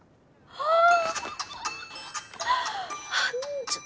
ああ！